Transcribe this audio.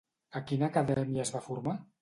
A quina acadèmia es va formar?